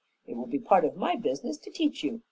"It will be part of my business to teach you.